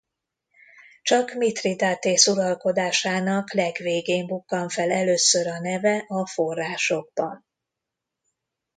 Csak Mithridatész uralkodásának legvégén bukkan fel először a neve a forrásokban.